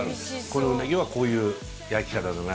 このうなぎはこういう焼き方だな